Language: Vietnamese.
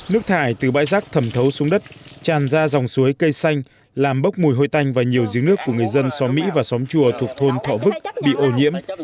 nước thải từ bãi rác thẩm thấu xuống đất tràn ra dòng suối cây xanh làm bốc mùi hôi tanh và nhiều giếng nước của người dân xóm mỹ và xóm chùa thuộc thôn thọ vức bị ô nhiễm